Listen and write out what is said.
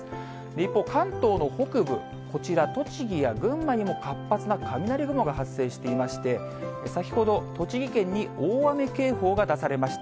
一方、関東の北部、こちら、栃木や群馬にも、活発な雷雲が発生していまして、先ほど、栃木県に大雨警報が出されました。